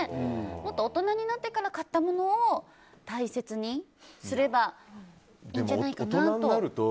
もっと大人になってから買ったものを大切にすればいいんじゃないかなと。